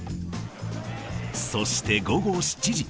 そして午後７時。